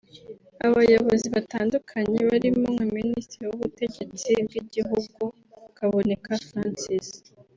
Abayobozi batandukanye barimo nka Minisitiri w’Ubutegetsi bw’Igihugu Kaboneka Francis